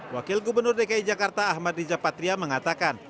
wakil gubernur dki jakarta ahmad rijapatria mengatakan